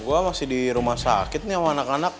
gue masih di rumah sakit nih sama anak anak